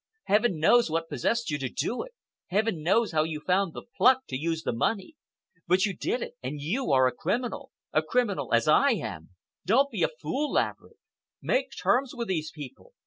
Heaven knows what possessed you to do it! Heaven knows how you found the pluck to use the money! But you did it, and you are a criminal—a criminal as I am. Don't be a fool, Laverick. Make terms with these people.